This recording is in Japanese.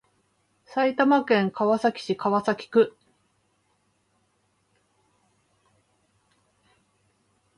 埼玉県川崎市川崎区